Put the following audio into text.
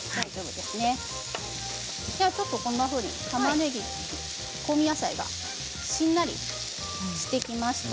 では、ちょっとこんなふうに香味野菜がしんなりしてきました。